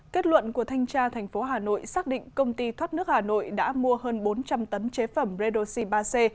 kết luận của thanh tra thành phố hà nội xác định công ty thoát nước hà nội đã mua hơn bốn trăm linh tấn chế phẩm redoxi ba c